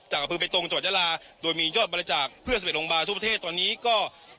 จากอาภูมิประตูงจังหวัดยาลาโดยมียอดบริจาคเพื่อสำเร็จโรงบาลทั่วประเทศตอนนี้ก็